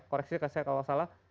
koreksinya kalau saya salah